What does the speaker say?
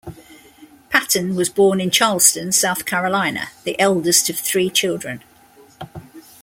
Patton was born in Charleston, South Carolina, the eldest of three children.